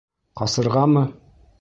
— Ҡасырғамы?!